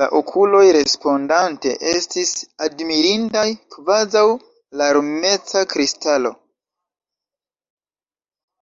La okuloj respondante estis admirindaj, kvazaŭ larmeca kristalo.